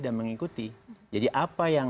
dan mengikuti jadi apa yang